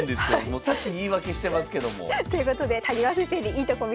もう先言い訳してますけども。ということで谷川先生にいいとこ見せましょう。